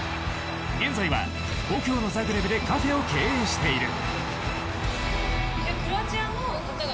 現在は故郷のザグレブでカフェを経営している。